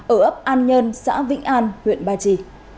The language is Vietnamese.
ở ấp an nhân xã vĩnh an huyện ba chi